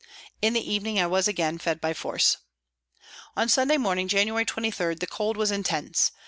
In the evening I was again fed by force. On Sunday morning, January 23, the cold was intense.